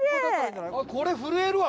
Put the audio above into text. これ震えるわ。